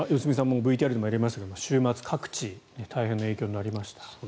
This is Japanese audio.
ＶＴＲでもありましたが週末、各地大変な影響になりました。